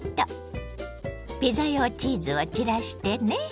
ピザ用チーズを散らしてね。